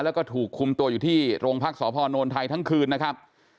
แล้วก็ถูกคุมตัวอยู่ที่โรงพักสพนไทยทั้งคืนนะครับ